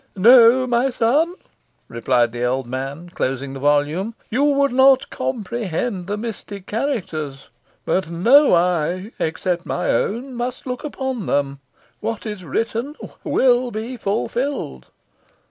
"No, my son," replied the old man, closing the volume. "You would not comprehend the mystic characters but no eye, except my own, must look upon them. What is written will be fulfilled.